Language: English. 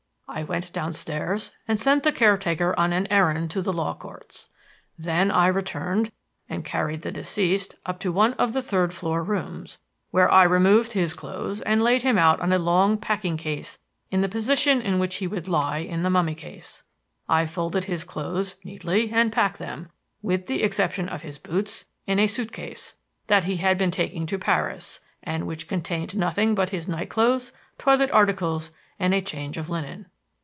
I went downstairs and sent the caretaker on an errand to the Law Courts. Then I returned and carried the deceased up to one of the third floor rooms, where I removed his clothes and laid him out on a long packing case in the position in which he would lie in the mummy case. I folded his clothes neatly and packed them, with the exception of his boots, in a suit case that he had been taking to Paris and which contained nothing but his nightclothes, toilet articles, and a change of linen.